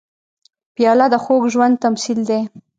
پیاله د خوږ ژوند تمثیل دی.